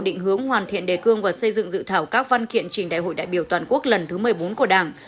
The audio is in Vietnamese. định hướng hoàn thiện đề cương và xây dựng dự thảo các văn kiện trình đại hội đại biểu toàn quốc lần thứ một mươi bốn của đảng